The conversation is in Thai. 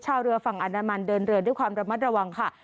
ชาวเรือฝั่งอนามันเดินเรือด้วยความระมัดระวังค่ะ